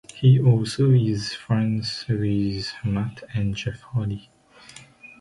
He also is friends with Matt and Jeff Hardy.